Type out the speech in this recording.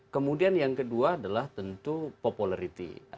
kemudian yang kedua adalah tentu popularity